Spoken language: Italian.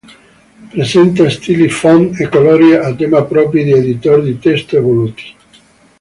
Presenta stili, "font" e colori a tema propri di editor di testo evoluti.